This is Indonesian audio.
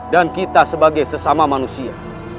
dan kita sebagai sesama manusia